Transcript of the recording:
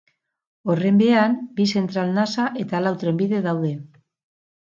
Horren behean, bi zentral nasa eta lau trenbide daude.